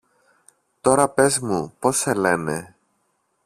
Τώρα πες μου πώς σε λένε.